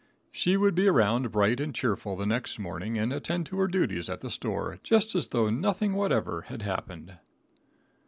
She would be around bright and cheerful the next morning and attend to her duties at the store just as though nothing whatever had happened.